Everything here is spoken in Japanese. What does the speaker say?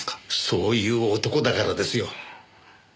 そういう男だからですよ。